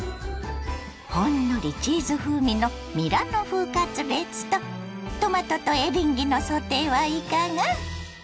ほんのりチーズ風味のミラノ風カツレツとトマトとエリンギのソテーはいかが？